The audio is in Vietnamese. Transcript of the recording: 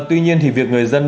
tuy nhiên việc người dân